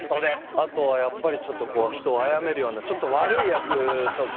あとはやっぱりちょっとこう人をあやめるようなちょっと悪い役とか。